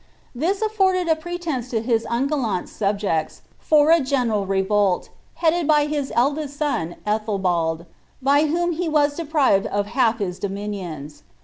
This afforded a pretence to his ungallant subjects, for a general re volt, headed by his eldest son Ethel bald, by whom he was deprived of half his dominions.